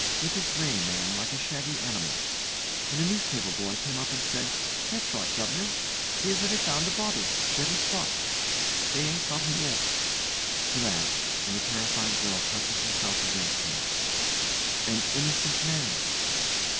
Little grey man like a shaggy animal. And a newspaper boy came up and said: "That's right, guv'nors! 'Ere's where they found the body very spot. They 'yn't got 'im yet." [He laughs; and the terrified girl presses herself against him.] An innocent man!